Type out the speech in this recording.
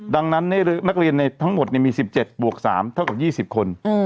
ดังนั้นนักเรียนทั้งหมดมีสิบเจ็ดบวกสามเท่ากับยี่สิบคน